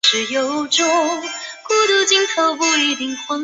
西伯利亚铁路经过。